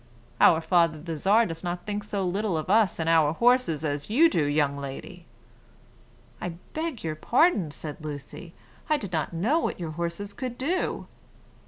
Our father the Czar does not think so little of us and our horses as you do, young lady." "I beg your pardon," said Lucy; "I did not know what your horses could do."